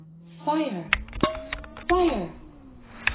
"'Fire! Fire!'